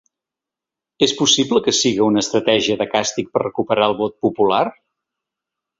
És possible que siga una estratègia de càstig per recuperar el vot popular?